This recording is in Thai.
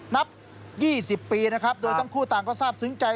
นับ๒๐ปีนะครับโดยทั้งคู่ต่างก็ทราบซึ้งใจ